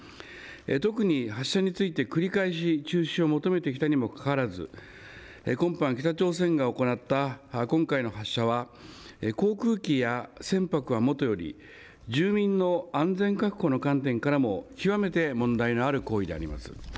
特に発射について繰り返し中止を求めてきたにかかわらず、今般、北朝鮮が行った今回の発射は、航空機や船舶はもとより、住民の安全確保の観点からも極めて問題のある行為であります。